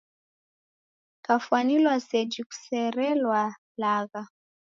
Kwafwanilwa seji kwaserelwa lagha.